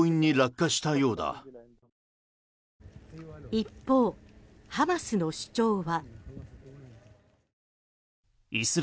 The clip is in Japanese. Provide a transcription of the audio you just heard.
一方、ハマスの主張は。